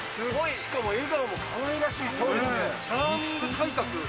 しかも笑顔もかわいらしいし、チャーミング体格。